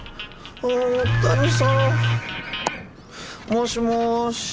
もしもし。